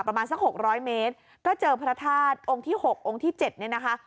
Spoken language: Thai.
ประมาณสักหกร้อยเมตรก็เจอพระธาตุองค์ที่๖องค์ที่๗เนี่ยนะคะ